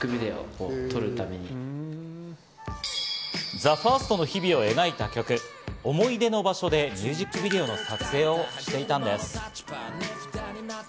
ＴＨＥＦＩＲＳＴでの日々を描いた曲、思い出の場所でミュージックビデオの撮影をしていたのです。